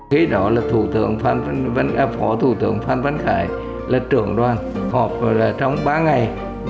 khi đó là phó thủ tướng phan văn khải là trưởng đoàn họp trong ba ngày